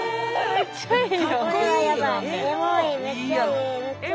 めっちゃいい。